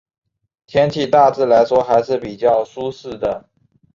天气大致来说还是比较舒适的。